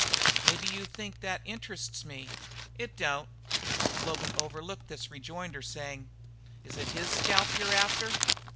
"Maybe you think that interests me. It don't." Logan overlooked this rejoinder, saying: "Is it his scalp you're after?"